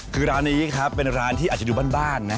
คือร้านนี้ครับเป็นร้านที่อาจจะดูบ้านนะ